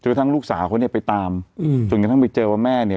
คือทั้งลูกสาวเขาเนี่ยไปตามอืมจนกระทั่งไปเจอว่าแม่เนี่ย